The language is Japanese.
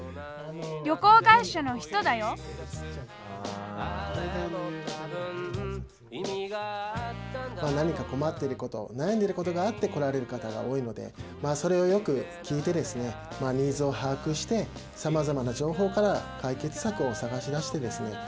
旅行会社の人だよ何か困ってることなやんでることがあって来られる方が多いのでそれをよく聞いてですねニーズをはあくしてさまざまな情報から解決策を探し出してですね